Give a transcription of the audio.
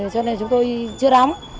cho nên là chúng tôi chưa đóng